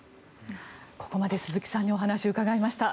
ここまで鈴木さんにお話を伺いました。